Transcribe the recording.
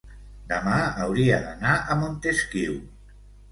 demà hauria d'anar a Montesquiu.